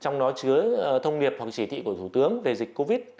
trong đó chứa thông điệp hoặc chỉ thị của thủ tướng về dịch covid